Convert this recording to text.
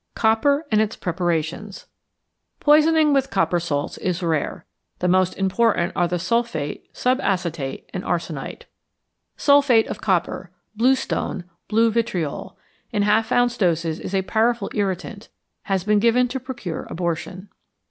COPPER AND ITS PREPARATIONS Poisoning with copper salts is rare. The most important are the sulphate, subacetate, and arsenite. =Sulphate of Copper= (bluestone, blue vitriol) in half ounce doses is a powerful irritant. Has been given to procure abortion.